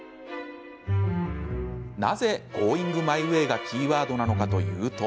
なぜ、ゴーイングマイウェイがキーワードなのかというと。